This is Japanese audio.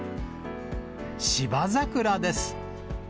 芝桜です。